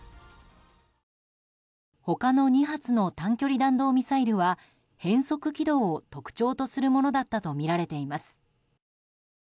他の２発の短距離弾道ミサイルは変則軌道を特徴とするものだったとみられています。